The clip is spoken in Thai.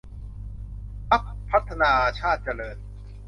พรรคพัฒนาชาติเจริญ